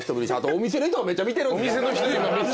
お店の人めっちゃ見てます